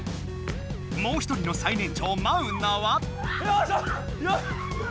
もう一人の最年長マウナは。